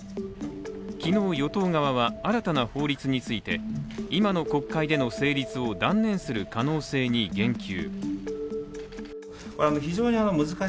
昨日、与党側は新たな法律について今の国会での成立を断念する可能性に言及。